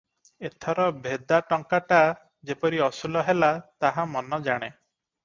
ଏଥର ଭେଦା ଟଙ୍କାଟା ଯେପରି ଅସୁଲ ହେଲା, ତାହା ମନ ଜାଣେ ।